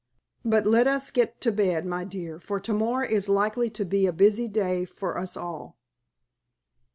But let us get to bed, my dear, for to morrow is likely to be a busy day for us all."